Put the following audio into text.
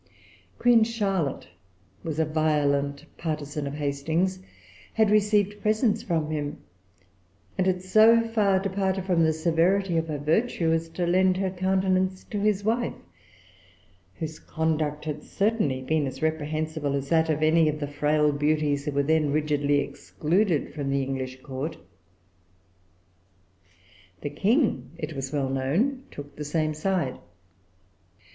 Queen Charlotte was a violent partisan of Hastings, had received presents from him, and had so far departed from the severity of her virtue as to lend her countenance to his wife, whose conduct had certainly been as reprehensible as that of any of the frail beauties who were then rigidly excluded from the English Court. The King, it was well known, took the same side.